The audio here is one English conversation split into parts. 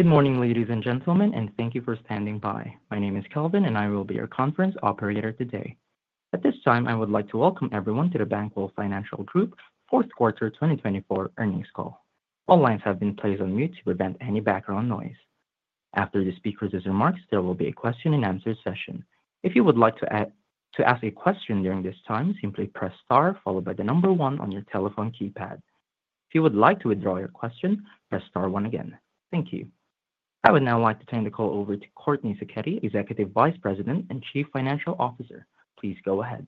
Good morning, ladies and gentlemen, and thank you for standing by. My name is Kelvin, and I will be your conference operator today. At this time, I would like to welcome everyone to the Bankwell Financial Group Fourth Quarter 2024 earnings call. All lines have been placed on mute to prevent any background noise. After the speaker's remarks, there will be a question-and-answer session. If you would like to ask a question during this time, simply press star followed by the number one on your telephone keypad. If you would like to withdraw your question, press star one again. Thank you. I would now like to turn the call over to Courtney Sacchetti, Executive Vice President and Chief Financial Officer. Please go ahead.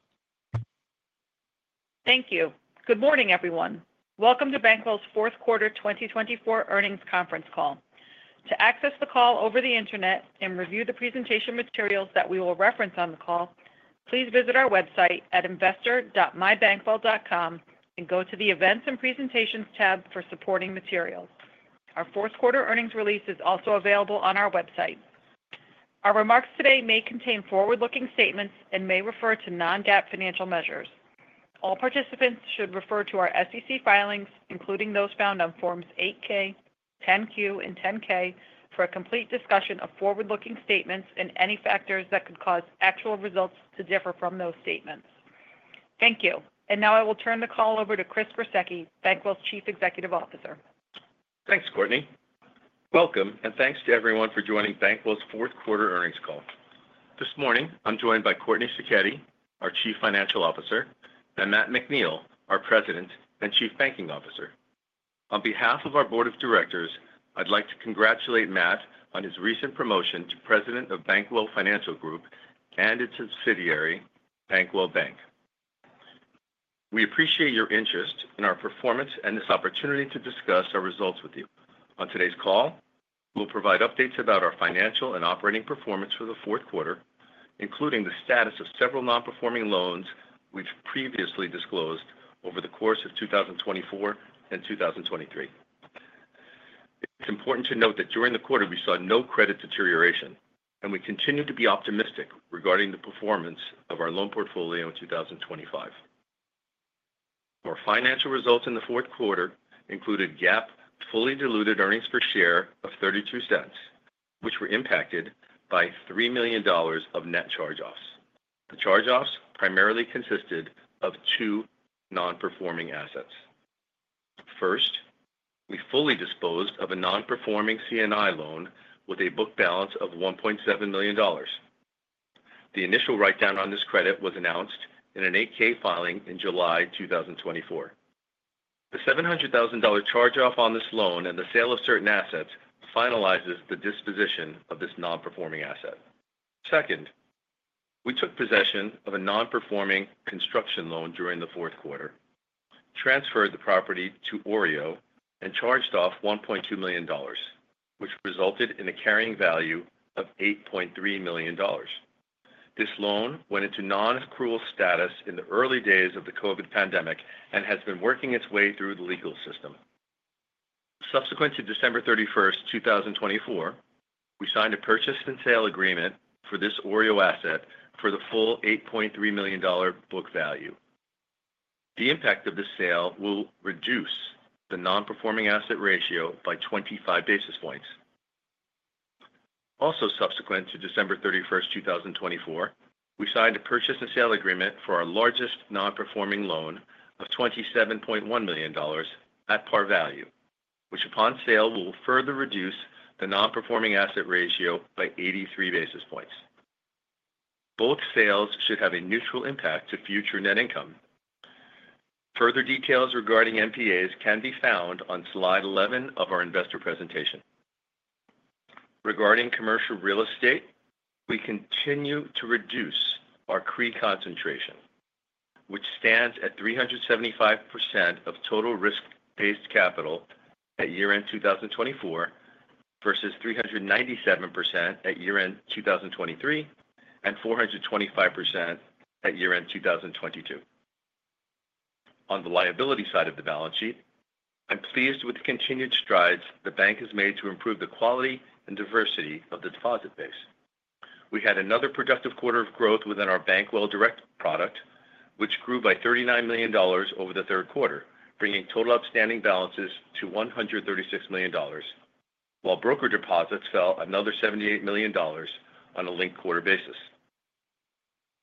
Thank you. Good morning, everyone. Welcome to Bankwell's Fourth Quarter 2024 earnings conference call. To access the call over the internet and review the presentation materials that we will reference on the call, please visit our website at investor.mybankwell.com and go to the Events and Presentations tab for supporting materials. Our Fourth Quarter earnings release is also available on our website. Our remarks today may contain forward-looking statements and may refer to non-GAAP financial measures. All participants should refer to our SEC filings, including those found on Forms 8-K, 10-Q, and 10-K, for a complete discussion of forward-looking statements and any factors that could cause actual results to differ from those statements. Thank you. Now I will turn the call over to Chris Gruseke, Bankwell's Chief Executive Officer. Thanks, Courtney. Welcome, and thanks to everyone for joining Bankwell's Fourth Quarter Earnings Call. This morning, I'm joined by Courtney Sacchetti, our Chief Financial Officer, and Matt McNeill, our President and Chief Banking Officer. On behalf of our Board of Directors, I'd like to congratulate Matt on his recent promotion to President of Bankwell Financial Group and its subsidiary, Bankwell Bank. We appreciate your interest in our performance and this opportunity to discuss our results with you. On today's call, we'll provide updates about our financial and operating performance for the fourth quarter, including the status of several non-performing loans we've previously disclosed over the course of 2024 and 2023. It's important to note that during the quarter, we saw no credit deterioration, and we continue to be optimistic regarding the performance of our loan portfolio in 2025. Our financial results in the fourth quarter included GAAP fully diluted earnings per share of $0.32, which were impacted by $3 million of net charge-offs. The charge-offs primarily consisted of two non-performing assets. First, we fully disposed of a non-performing C&I loan with a book balance of $1.7 million. The initial write-down on this credit was announced in an 8-K filing in July 2024. The $700,000 charge-off on this loan and the sale of certain assets finalizes the disposition of this non-performing asset. Second, we took possession of a non-performing construction loan during the fourth quarter, transferred the property to OREO, and charged off $1.2 million, which resulted in a carrying value of $8.3 million. This loan went into non-accrual status in the early days of the COVID pandemic and has been working its way through the legal system. Subsequent to December 31, 2024, we signed a purchase and sale agreement for this OREO asset for the full $8.3 million book value. The impact of this sale will reduce the non-performing asset ratio by 25 basis points. Also, subsequent to December 31, 2024, we signed a purchase and sale agreement for our largest non-performing loan of $27.1 million at par value, which upon sale will further reduce the non-performing asset ratio by 83 basis points. Both sales should have a neutral impact to future net income. Further details regarding NPAs can be found on slide 11 of our investor presentation. Regarding commercial real estate, we continue to reduce our CRE concentration, which stands at 375% of total risk-based capital at year-end 2024 versus 397% at year-end 2023 and 425% at year-end 2022. On the liability side of the balance sheet, I'm pleased with the continued strides the bank has made to improve the quality and diversity of the deposit base. We had another productive quarter of growth within our Bankwell Direct product, which grew by $39 million over the third quarter, bringing total outstanding balances to $136 million, while brokered deposits fell another $78 million on a linked quarter basis.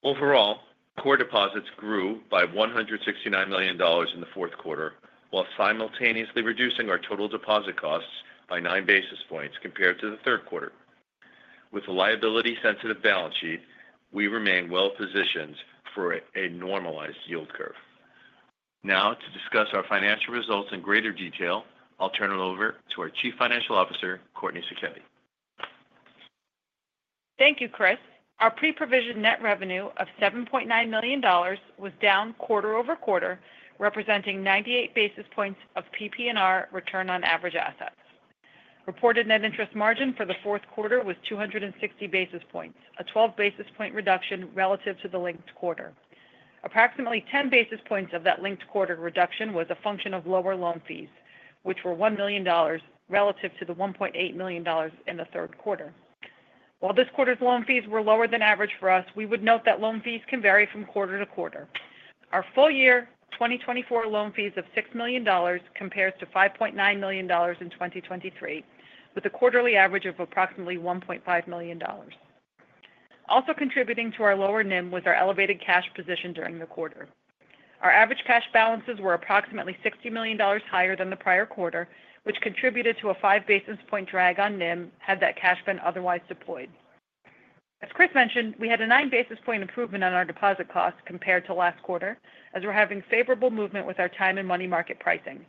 Overall, core deposits grew by $169 million in the fourth quarter, while simultaneously reducing our total deposit costs by nine basis points compared to the third quarter. With a liability-sensitive balance sheet, we remain well-positioned for a normalized yield curve. Now, to discuss our financial results in greater detail, I'll turn it over to our Chief Financial Officer, Courtney Sacchetti. Thank you, Chris. Our pre-provision net revenue of $7.9 million was down quarter-over-quarter, representing 98 basis points of PPNR return on average assets. Reported net interest margin for the fourth quarter was 260 basis points, a 12 basis points reduction relative to the linked quarter. Approximately 10 basis points of that linked quarter reduction was a function of lower loan fees, which were $1 million relative to the $1.8 million in the third quarter. While this quarter's loan fees were lower than average for us, we would note that loan fees can vary from quarter-to-quarter. Our full-year 2024 loan fees of $6 million compared to $5.9 million in 2023, with a quarterly average of approximately $1.5 million. Also contributing to our lower NIM was our elevated cash position during the quarter. Our average cash balances were approximately $60 million higher than the prior quarter, which contributed to a five basis point drag on NIM, had that cash been otherwise deployed. As Chris mentioned, we had a nine basis point improvement on our deposit costs compared to last quarter, as we're having favorable movement with our time and money market pricing.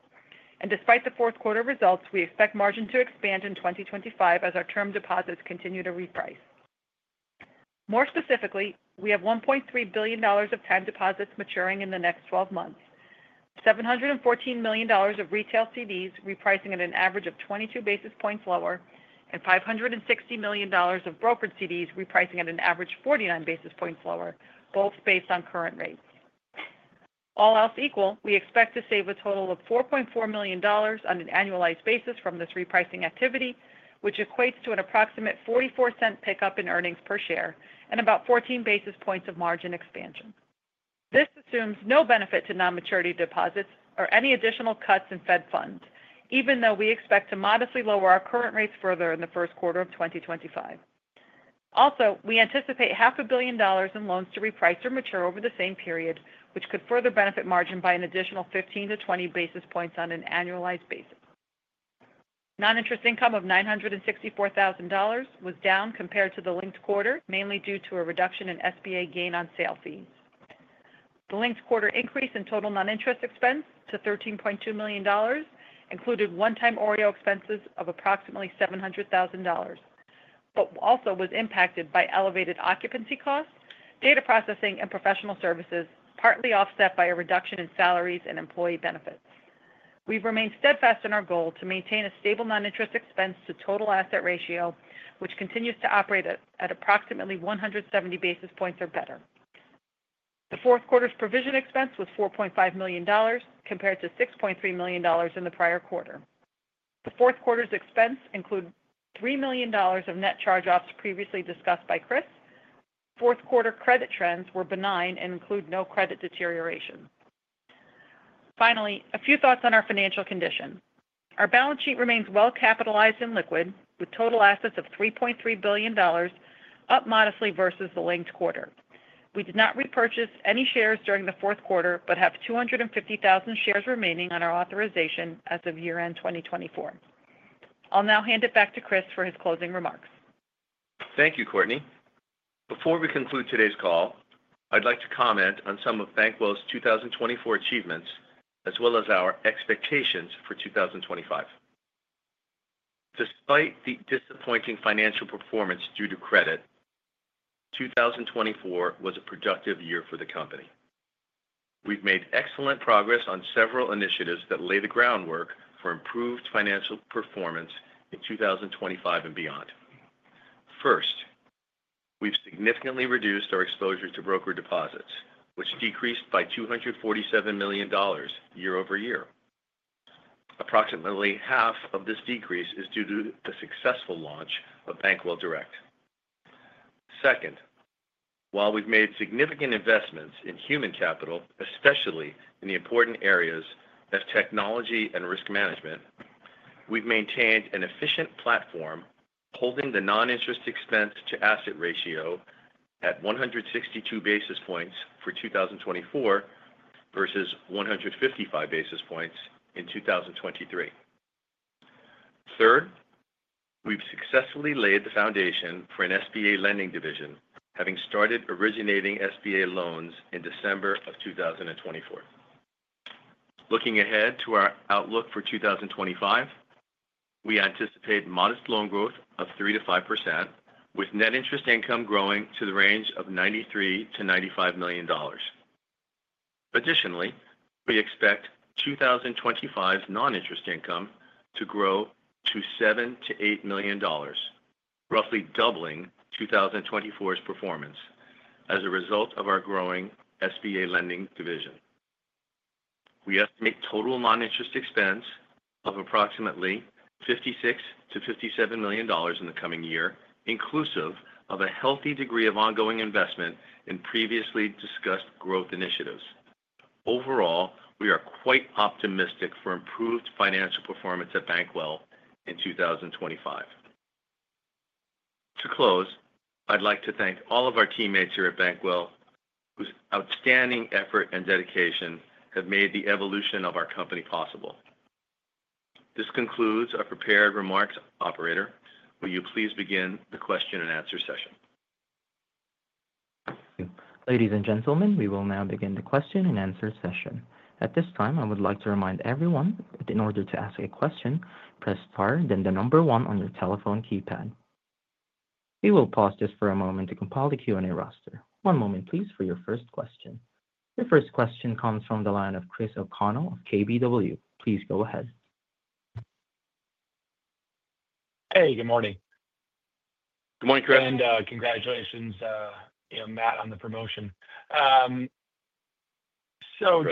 And despite the fourth quarter results, we expect margin to expand in 2025 as our term deposits continue to reprice. More specifically, we have $1.3 billion of time deposits maturing in the next 12 months, $714 million of retail CDs repricing at an average of 22 basis points lower, and $560 million of brokered CDs repricing at an average of 49 basis points lower, both based on current rates. All else equal, we expect to save a total of $4.4 million on an annualized basis from this repricing activity, which equates to an approximate $0.44 pickup in earnings per share and about 14 basis points of margin expansion. This assumes no benefit to non-maturity deposits or any additional cuts in Fed funds, even though we expect to modestly lower our current rates further in the first quarter of 2025. Also, we anticipate $500 million in loans to reprice or mature over the same period, which could further benefit margin by an additional 15-20 basis points on an annualized basis. Non-interest income of $964,000 was down compared to the linked quarter, mainly due to a reduction in SBA gain on sale fees. The linked quarter increase in total non-interest expense to $13.2 million included one-time OREO expenses of approximately $700,000, but also was impacted by elevated occupancy costs, data processing, and professional services, partly offset by a reduction in salaries and employee benefits. We've remained steadfast in our goal to maintain a stable non-interest expense to total asset ratio, which continues to operate at approximately 170 basis points or better. The fourth quarter's provision expense was $4.5 million compared to $6.3 million in the prior quarter. The fourth quarter's expense included $3 million of net charge-offs previously discussed by Chris. Fourth quarter credit trends were benign and include no credit deterioration. Finally, a few thoughts on our financial condition. Our balance sheet remains well-capitalized and liquid, with total assets of $3.3 billion, up modestly versus the linked quarter. We did not repurchase any shares during the fourth quarter, but have 250,000 shares remaining on our authorization as of year-end 2024. I'll now hand it back to Chris for his closing remarks. Thank you, Courtney. Before we conclude today's call, I'd like to comment on some of Bankwell's 2024 achievements, as well as our expectations for 2025. Despite the disappointing financial performance due to credit, 2024 was a productive year for the company. We've made excellent progress on several initiatives that lay the groundwork for improved financial performance in 2025 and beyond. First, we've significantly reduced our exposure to brokered deposits, which decreased by $247 million year-over-year. Approximately half of this decrease is due to the successful launch of Bankwell Direct. Second, while we've made significant investments in human capital, especially in the important areas of technology and risk management, we've maintained an efficient platform, holding the non-interest expense to asset ratio at 162 basis points for 2024 versus 155 basis points in 2023. Third, we've successfully laid the foundation for an SBA lending division, having started originating SBA loans in December of 2024. Looking ahead to our outlook for 2025, we anticipate modest loan growth of 3%-5%, with net interest income growing to the range of $93 million-$95 million. Additionally, we expect 2025's non-interest income to grow to $7 million-$8 million, roughly doubling 2024's performance as a result of our growing SBA lending division. We estimate total non-interest expense of approximately $56 million-$57 million in the coming year, inclusive of a healthy degree of ongoing investment in previously discussed growth initiatives. Overall, we are quite optimistic for improved financial performance at Bankwell in 2025. To close, I'd like to thank all of our teammates here at Bankwell, whose outstanding effort and dedication have made the evolution of our company possible. This concludes our prepared remarks. Operator, will you please begin the question-and-answer session? Ladies and gentlemen, we will now begin the question and answer session. At this time, I would like to remind everyone that in order to ask a question, press star, then the number one on your telephone keypad. We will pause just for a moment to compile the Q&A roster. One moment, please, for your first question. Your first question comes from the line of Chris O'Connell of KBW. Please go ahead. Hey, good morning. Good morning, Chris. Congratulations, Matt, on the promotion. I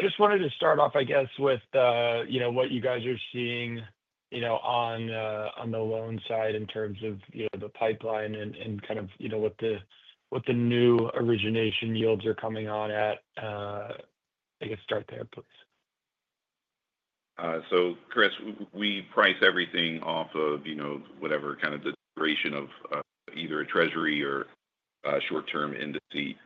just wanted to start off, I guess, with what you guys are seeing on the loan side in terms of the pipeline and kind of what the new origination yields are coming on at. I guess start there, please. So Chris, we price everything off of whatever kind of the duration of either a Treasury or short-term industry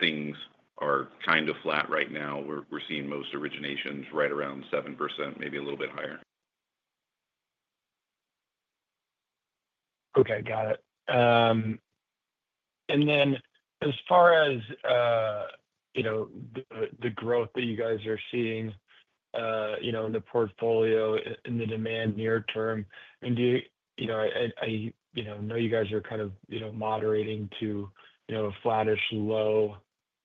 things are kind of flat right now. We're seeing most originations right around 7%, maybe a little bit higher. Okay, got it. And then as far as the growth that you guys are seeing in the portfolio and the demand near term, I know you guys are kind of moderating to a flattish low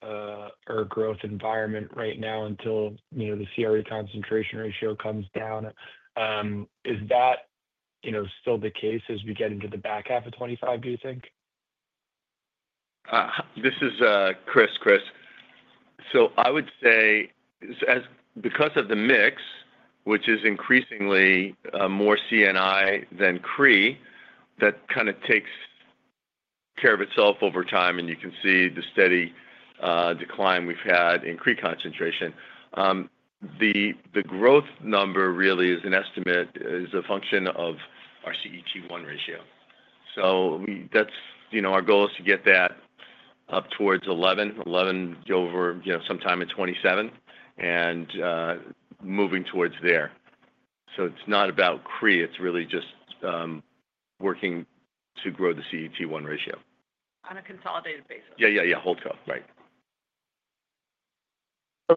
or growth environment right now until the CRE concentration ratio comes down. Is that still the case as we get into the back half of 2025, do you think? This is Chris, Chris. So I would say because of the mix, which is increasingly more C&I than CRE, that kind of takes care of itself over time, and you can see the steady decline we've had in CRE concentration. The growth number really is an estimate, a function of our CET1 ratio. So our goal is to get that up towards 11 to 11% over sometime in 2027 and moving towards there. So it's not about CRE. It's really just working to grow the CET1 ratio. On a consolidated basis. Yeah, yeah, yeah. HoldCo. Right.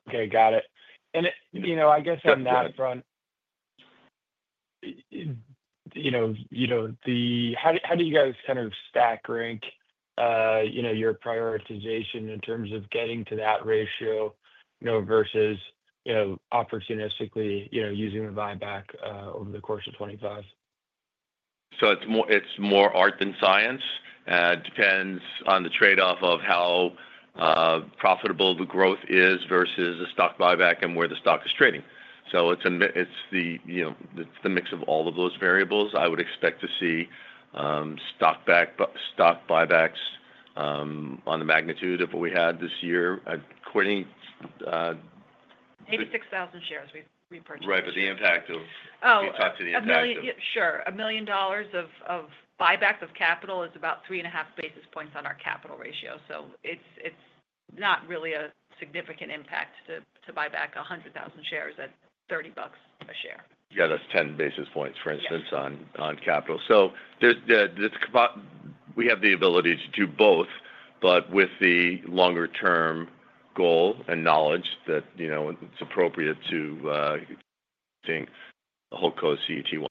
Okay, got it. And I guess on that front, how do you guys kind of stack rank your prioritization in terms of getting to that ratio versus opportunistically using the buyback over the course of 2025? So it's more art than science. It depends on the trade-off of how profitable the growth is versus a stock buyback and where the stock is trading. So it's the mix of all of those variables. I would expect to see stock buybacks on the magnitude of what we had this year. Maybe 6,000 shares we've repurchased. Right, but the impact of. Oh, okay. If you talk to the impact. Sure. $1 million of buyback of capital is about three and a half basis points on our capital ratio. So it's not really a significant impact to buy back 100,000 shares at $30 a share. Yeah, that's 10 basis points, for instance, on capital. So we have the ability to do both, but with the longer-term goal and knowledge that it's appropriate to think HoldCo CET1.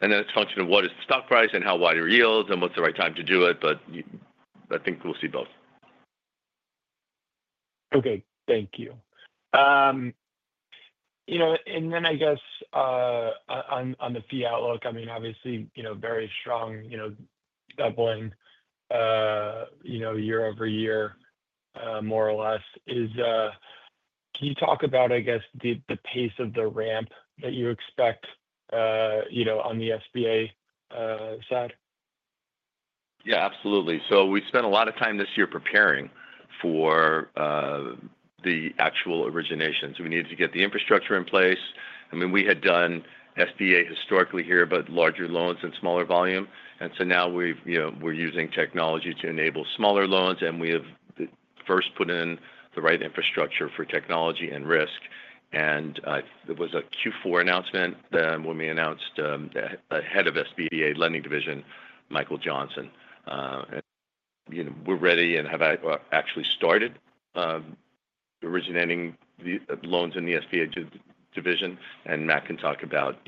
And then it's a function of what is the stock price and how wide are yields and what's the right time to do it, but I think we'll see both. Okay, thank you. And then I guess on the fee outlook, I mean, obviously, very strong doubling year over year, more or less. Can you talk about, I guess, the pace of the ramp that you expect on the SBA side? Yeah, absolutely. So we spent a lot of time this year preparing for the actual origination. We needed to get the infrastructure in place. I mean, we had done SBA historically here, but larger loans and smaller volume. Now we're using technology to enable smaller loans, and we have first put in the right infrastructure for technology and risk. There was a Q4 announcement when we announced the Head of SBA Lending Division, Michael Johnson. We're ready and have actually started originating loans in the SBA division, and Matt can talk about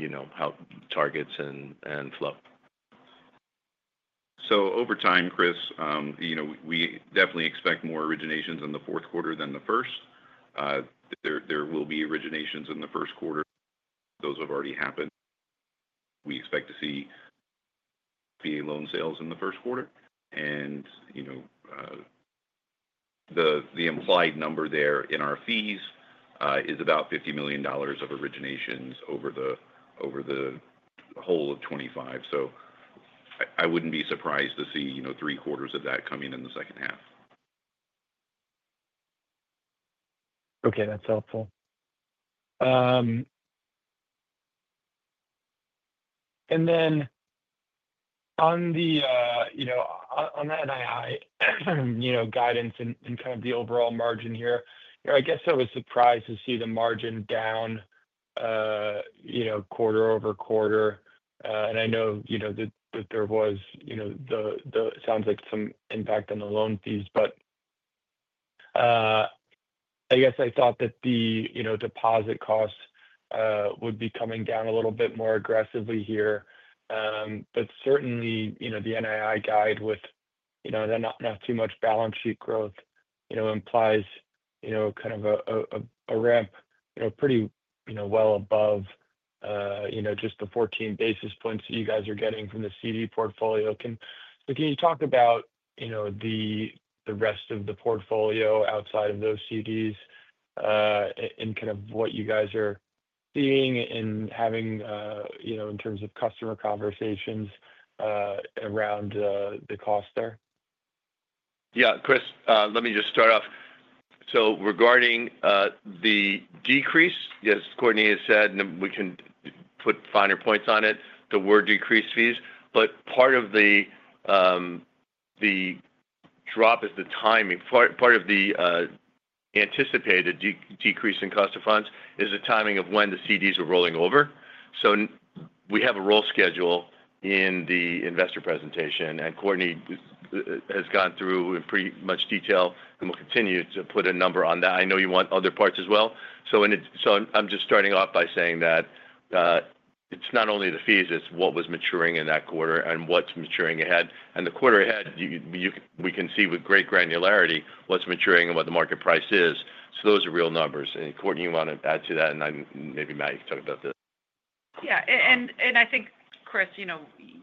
targets and flow. Over time, Chris, we definitely expect more originations in the fourth quarter than the first. There will be originations in the first quarter. Those have already happened. We expect to see loan sales in the first quarter. And the implied number there in our fees is about $50 million of originations over the whole of 2025. So I wouldn't be surprised to see three quarters of that coming in the second half. Okay, that's helpful. And then on the NII guidance and kind of the overall margin here, I guess I was surprised to see the margin down quarter over quarter. And I know that there was, it sounds like, some impact on the loan fees, but I guess I thought that the deposit costs would be coming down a little bit more aggressively here. But certainly, the NII guide with not too much balance sheet growth implies kind of a ramp pretty well above just the 14 basis points that you guys are getting from the CD portfolio. So can you talk about the rest of the portfolio outside of those CDs and kind of what you guys are seeing and having in terms of customer conversations around the cost there? Yeah, Chris, let me just start off, so regarding the decrease, as Courtney has said, and we can put finer points on it, the word decreased fees, but part of the drop is the timing. Part of the anticipated decrease in cost of funds is the timing of when the CDs are rolling over, so we have a roll schedule in the investor presentation, and Courtney has gone through in pretty much detail and will continue to put a number on that. I know you want other parts as well, so I'm just starting off by saying that it's not only the fees, it's what was maturing in that quarter and what's maturing ahead, and the quarter ahead, we can see with great granularity what's maturing and what the market price is, so those are real numbers, and Courtney, you want to add to that? Maybe Matt, you can talk about this. Yeah. I think, Chris, you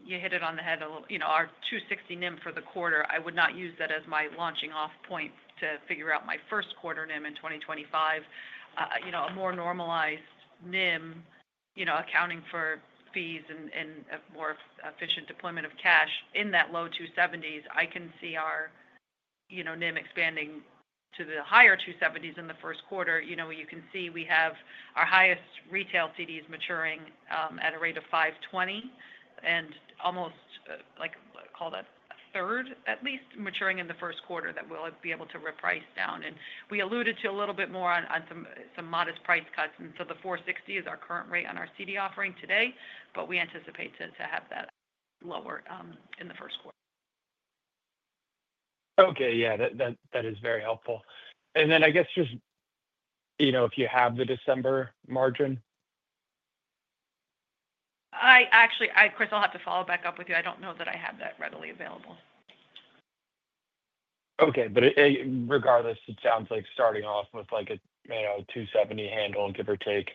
hit it on the head. Our 2.60% NIM for the quarter, I would not use that as my launching-off point to figure out my first quarter NIM in 2025. A more normalized NIM, accounting for fees and a more efficient deployment of cash in that low 2.70s, I can see our NIM expanding to the higher 2.70s in the first quarter. You can see we have our highest retail CDs maturing at a rate of 5.20% and almost, call that a third at least, maturing in the first quarter that we'll be able to reprice down. We alluded to a little bit more on some modest price cuts. The 4.60% is our current rate on our CD offering today, but we anticipate to have that lower in the first quarter. Okay, yeah. That is very helpful. And then I guess just if you have the December margin? Actually, Chris, I'll have to follow back up with you. I don't know that I have that readily available. Okay. But regardless, it sounds like starting off with a 270 handle, give or take,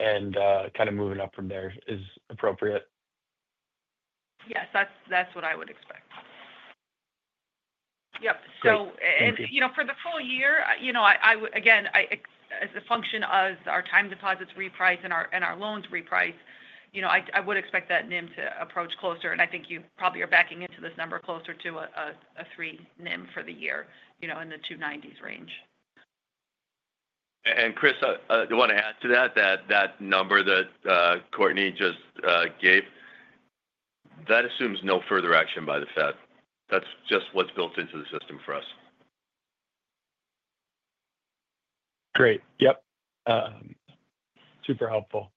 and kind of moving up from there is appropriate. Yes, that's what I would expect. Yep. So for the full year, again, as a function of our time deposits reprice and our loans reprice, I would expect that NIM to approach closer, and I think you probably are backing into this number closer to a 3 NIM for the year in the 290s range. And Chris, I want to add to that, that number that Courtney just gave, that assumes no further action by the Fed. That's just what's built into the system for us. Great. Yep. Super helpful.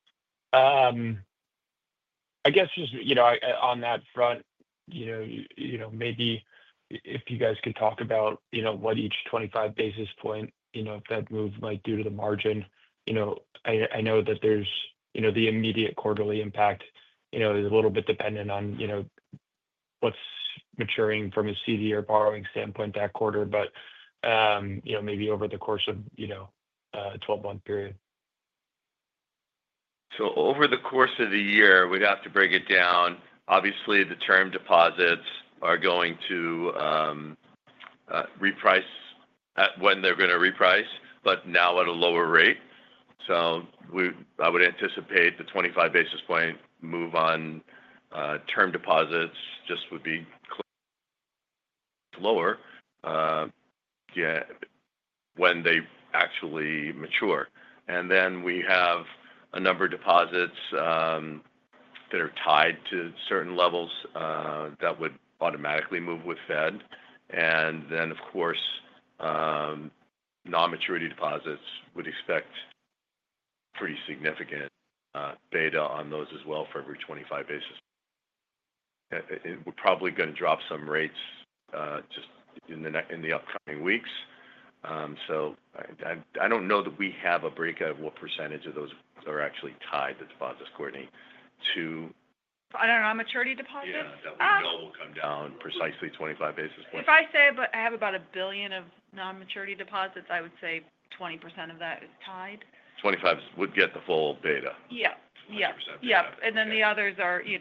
I guess just on that front, maybe if you guys could talk about what each 25 basis point Fed move might do to the margin. I know that there's the immediate quarterly impact is a little bit dependent on what's maturing from a CD or borrowing standpoint that quarter, but maybe over the course of a 12-month period. So over the course of the year, we'd have to break it down. Obviously, the term deposits are going to reprice when they're going to reprice, but now at a lower rate. So I would anticipate the 25 basis point move on term deposits just would be lower when they actually mature. And then we have a number of deposits that are tied to certain levels that would automatically move with Fed. And then, of course, non-maturity deposits would expect pretty significant beta on those as well for every 25 basis. We're probably going to drop some rates just in the upcoming weeks. So I don't know that we have a breakdown of what percentage of those are actually tied to deposits, Courtney, too. I don't know. On maturity deposits? Yeah. That will come down precisely 25 basis points. If I say I have about $1 billion of non-maturity deposits, I would say 20% of that is tied. 25 would get the full beta. Yeah. Yeah, and then the others are, we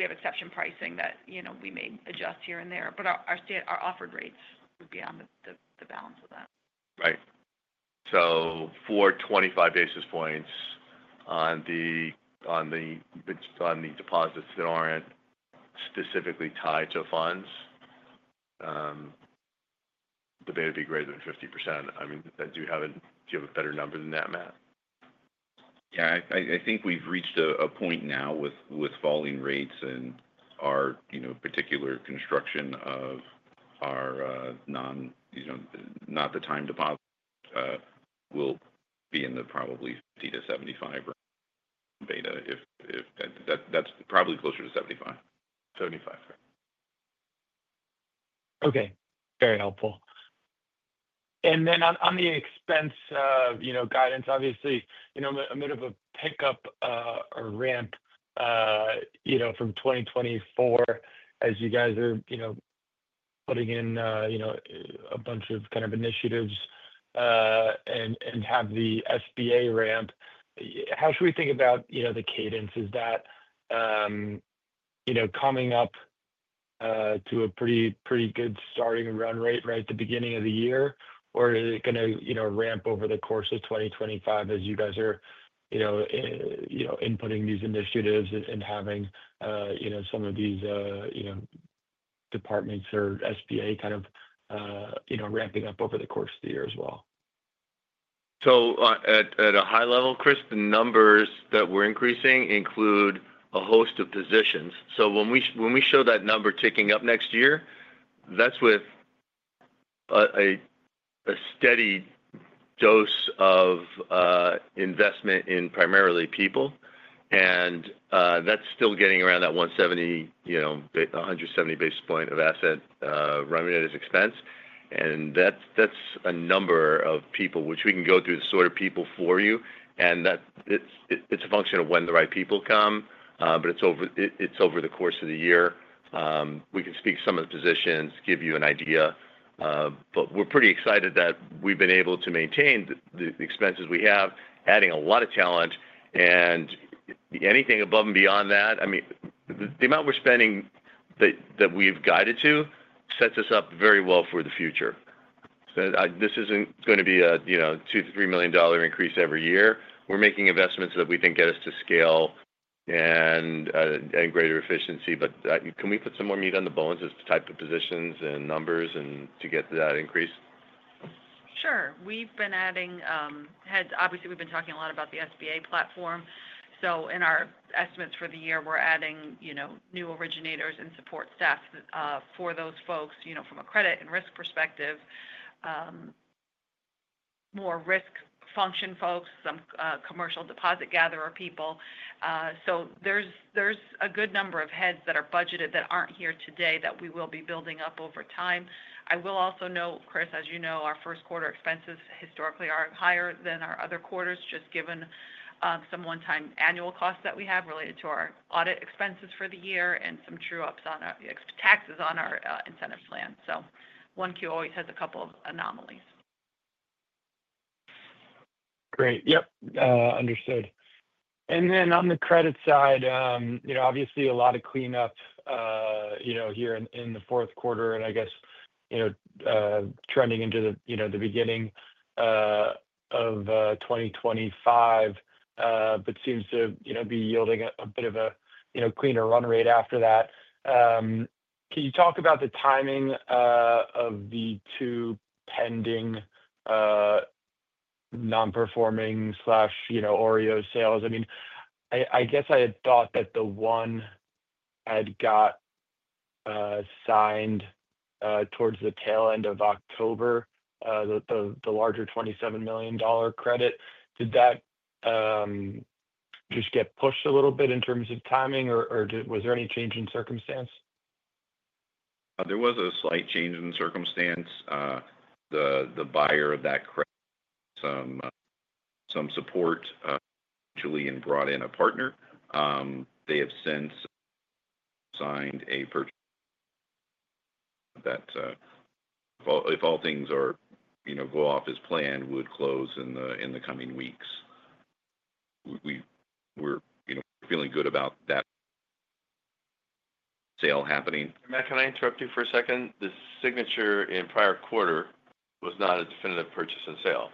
have exception pricing that we may adjust here and there, but our offered rates would be on the balance of that. Right. So for 25 basis points on the deposits that aren't specifically tied to funds, the beta would be greater than 50%. I mean, do you have a better number than that, Matt? Yeah. I think we've reached a point now with falling rates and our particular construction of our non-time deposits will be in the probably 50%-75% range beta. That's probably closer to 75. 75. Okay. Very helpful. And then on the expense guidance, obviously, a bit of a pickup or ramp from 2024 as you guys are putting in a bunch of kind of initiatives and have the SBA ramp. How should we think about the cadence? Is that coming up to a pretty good starting run rate right at the beginning of the year, or is it going to ramp over the course of 2025 as you guys are inputting these initiatives and having some of these departments or SBA kind of ramping up over the course of the year as well? So at a high level, Chris, the numbers that we're increasing include a host of positions. So when we show that number ticking up next year, that's with a steady dose of investment in primarily people. And that's still getting around that 170 basis point of asset run rate as expense. And that's a number of people, which we can go through the sort of people for you. And it's a function of when the right people come, but it's over the course of the year. We can speak to some of the positions, give you an idea. But we're pretty excited that we've been able to maintain the expenses we have, adding a lot of talent. And anything above and beyond that, I mean, the amount we're spending that we've guided to sets us up very well for the future. This isn't going to be a $2 million-$3 million increase every year. We're making investments that we think get us to scale and greater efficiency. But can we put some more meat on the bones as type of positions and numbers to get that increase? Sure. We've been adding, obviously. We've been talking a lot about the SBA platform. So in our estimates for the year, we're adding new originators and support staff for those folks from a credit and risk perspective, more risk function folks, some commercial deposit gatherer people. So there's a good number of heads that are budgeted that aren't here today that we will be building up over time. I will also note, Chris, as you know, our first quarter expenses historically are higher than our other quarters, just given some one-time annual costs that we have related to our audit expenses for the year and some true-ups on taxes on our incentive plan. So one Q always has a couple of anomalies. Great. Yep. Understood. And then on the credit side, obviously, a lot of cleanup here in the fourth quarter, and I guess trending into the beginning of 2025, but seems to be yielding a bit of a cleaner run rate after that. Can you talk about the timing of the two pending non-performing/OREO sales? I mean, I guess I had thought that the one had got signed towards the tail end of October, the larger $27 million credit. Did that just get pushed a little bit in terms of timing, or was there any change in circumstance? There was a slight change in circumstance. The buyer of that credit sought some support eventually and brought in a partner. They have since signed a purchase that, if all things go as planned, would close in the coming weeks. We're feeling good about that sale happening. Matt, can I interrupt you for a second? The signing in prior quarter was not a definitive purchase and sale.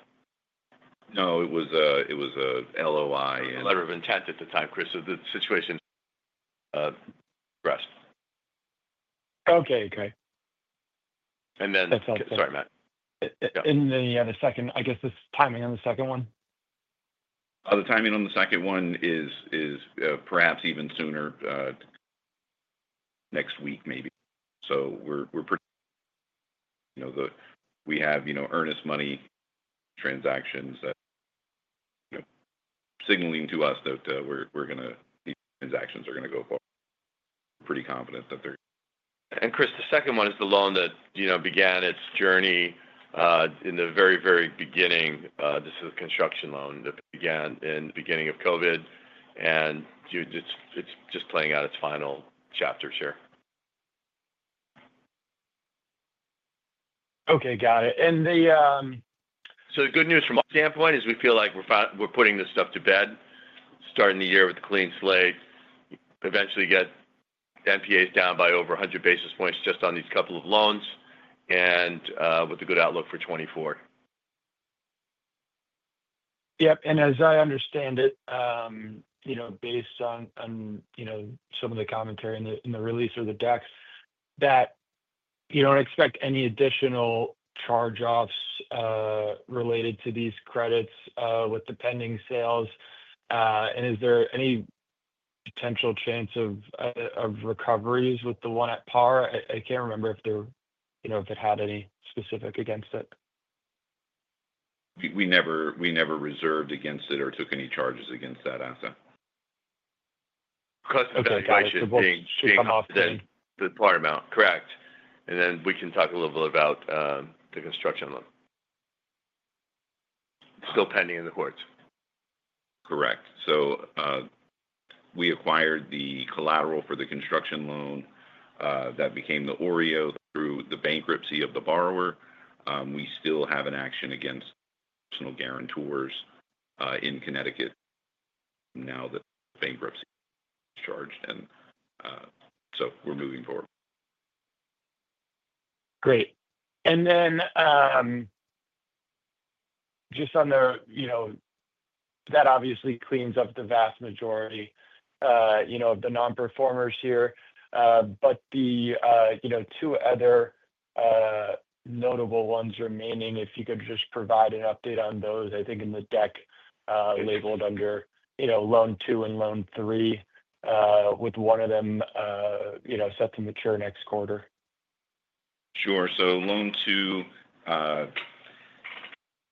No, it was an LOI. Letter of intent at the time, Chris, so the situation progressed. Okay. Okay. And then. That sounds good. Sorry, Matt. And then you had a second, I guess, this timing on the second one? The timing on the second one is perhaps even sooner next week, maybe. So we're pretty sure we have earnest money transactions signaling to us that these transactions are going to go forward. We're pretty confident that they're. And Chris, the second one is the loan that began its journey in the very, very beginning. This is a construction loan that began in the beginning of COVID, and it's just playing out its final chapter here. Okay. Got it. So the good news from our standpoint is we feel like we're putting this stuff to bed, starting the year with a clean slate, eventually get NPAs down by over 100 basis points just on these couple of loans, and with a good outlook for 2024. Yep. As I understand it, based on some of the commentary in the release or the decks, that you don't expect any additional charge-offs related to these credits with the pending sales. And is there any potential chance of recoveries with the one at par? I can't remember if it had any specific against it. We never reserved against it or took any charges against that asset. Okay. Gotcha. The par amount. Correct. And then we can talk a little bit about the construction loan. Still pending in the courts. Correct. So we acquired the collateral for the construction loan that became the OREO through the bankruptcy of the borrower. We still have an action against personal guarantors in Connecticut now that bankruptcy is discharged. And so we're moving forward. Great. Then just on that obviously cleans up the vast majority of the non-performers here. The two other notable ones remaining, if you could just provide an update on those. I think in the deck labeled under loan two and loan three, with one of them set to mature next quarter. Sure. So loan two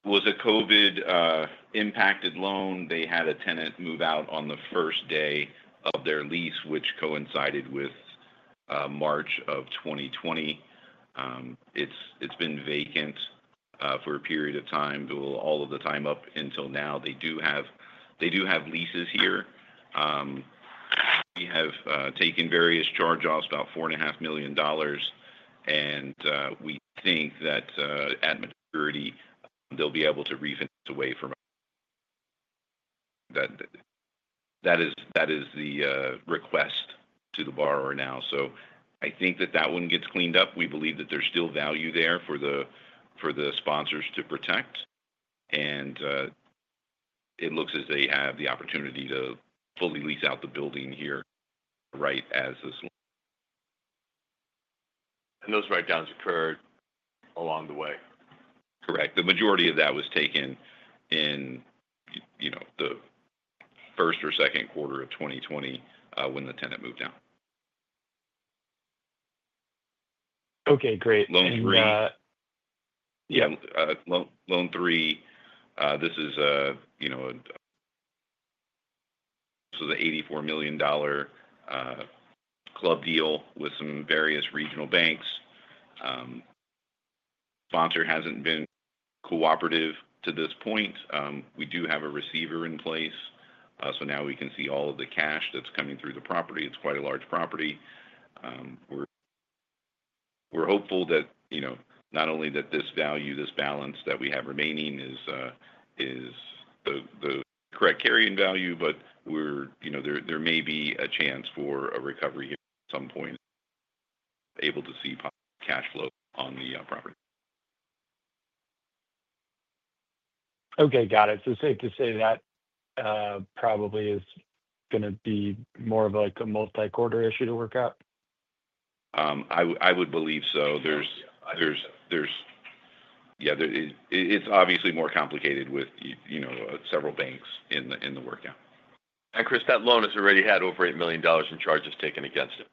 was a COVID-impacted loan. They had a tenant move out on the first day of their lease, which coincided with March of 2020. It's been vacant for a period of time, all of the time up until now. They do have leases here. We have taken various charge-offs, about $4.5 million. And we think that at maturity, they'll be able to refinance away from that. That is the request to the borrower now. So I think that that one gets cleaned up. We believe that there's still value there for the sponsors to protect. And it looks as they have the opportunity to fully lease out the building here right as this loan. Those write-downs occurred along the way. Correct. The majority of that was taken in the first or second quarter of 2020 when the tenant moved out. Okay. Great. Loan three. Yeah. Loan three, this is a $84 million club deal with some various regional banks. Sponsor hasn't been cooperative to this point. We do have a receiver in place. So now we can see all of the cash that's coming through the property. It's quite a large property. We're hopeful that not only that this value, this balance that we have remaining is the correct carrying value, but there may be a chance for a recovery here at some point. Able to see cash flow on the property. Okay. Got it. So safe to say that probably is going to be more of a multi-quarter issue to work out? I would believe so. Yeah. It's obviously more complicated with several banks in the workout. And Chris, that loan has already had over $8 million in charges taken against it.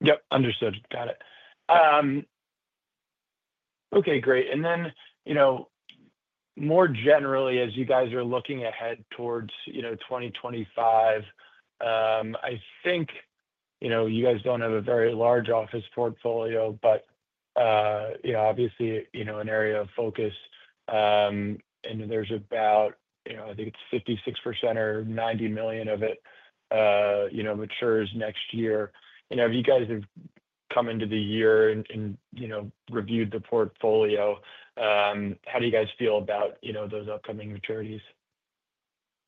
Yep. Understood. Got it. Okay. Great. And then more generally, as you guys are looking ahead towards 2025, I think you guys don't have a very large office portfolio, but obviously an area of focus. And there's about, I think it's 56% or $90 million of it matures next year. If you guys have come into the year and reviewed the portfolio, how do you guys feel about those upcoming maturities?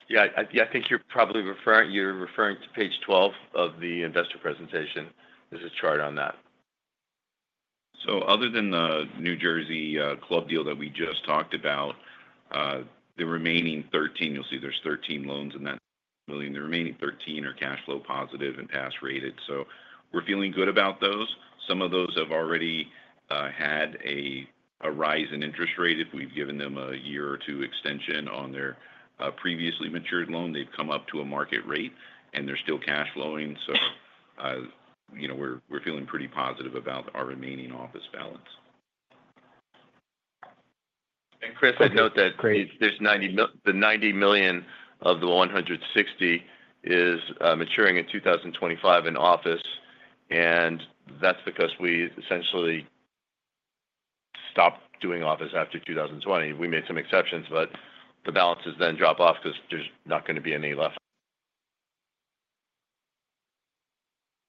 Yeah. I think you're probably referring to page 12 of the investor presentation. There's a chart on that, so other than the New Jersey club deal that we just talked about, the remaining 13, you'll see there's 13 loans in that million. The remaining 13 are cash flow positive and pass rated, so we're feeling good about those. Some of those have already had a rise in interest rate. If we've given them a year or two extension on their previously matured loan, they've come up to a market rate, and they're still cash flowing, so we're feeling pretty positive about our remaining office balance, and Chris, I note that there's the $90 million of the $160 million is maturing in 2025 in office, and that's because we essentially stopped doing office after 2020. We made some exceptions, but the balances then drop off because there's not going to be any left.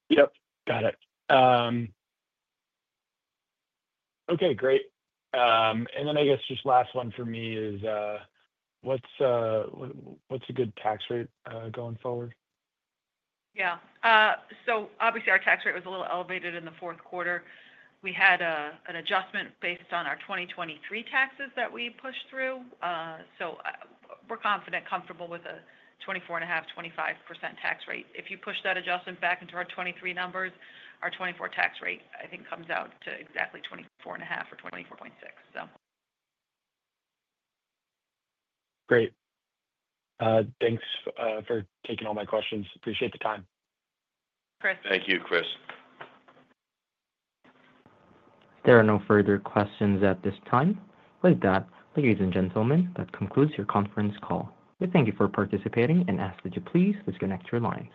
Yep. Got it. Okay. Great, and then I guess just last one for me is what's a good tax rate going forward? Yeah. So obviously, our tax rate was a little elevated in the fourth quarter. We had an adjustment based on our 2023 taxes that we pushed through. So we're confident, comfortable with a 24.5%-25% tax rate. If you push that adjustment back into our 2023 numbers, our 2024 tax rate, I think, comes out to exactly 24.5% or 24.6%, so. Great. Thanks for taking all my questions. Appreciate the time. Chris. Thank you, Chris. If there are no further questions at this time, with that, ladies and gentlemen, that concludes your conference call. We thank you for participating, and ask that you please disconnect your lines.